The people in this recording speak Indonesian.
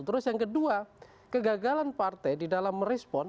terus yang kedua kegagalan partai di dalam merespon